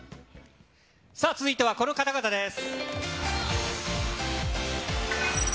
続いてはこの方々です。